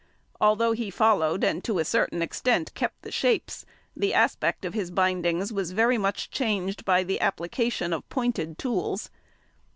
Although he followed and to a certain extent kept the shapes, the aspect of his bindings was very much changed by the application of pointed tools.